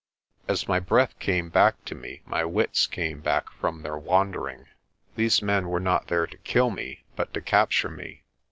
As my breath came back to me my wits came back from their wandering. These men were not there to kill me but to capture me.